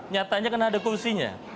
nyatanya kan ada kursinya